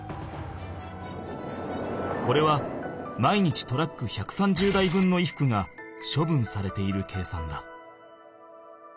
これは毎日トラック１３０台分の衣服がしょぶんされている計算だ。